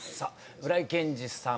浦井健治さん